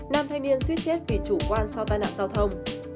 nam thanh niên suy chết vì chủ quan sau tai nạn giao thông